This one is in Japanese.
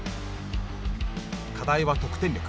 課題は得点力。